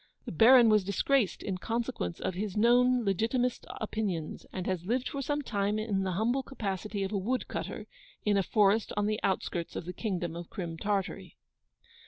The Baron was disgraced in consequence of his known legitimist opinions, and has lived for some time in the humble capacity of a wood cutter, in a forest on the outskirts of the Kingdom of Crim Tartary.